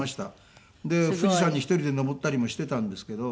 富士山に１人で登ったりもしてたんですけど。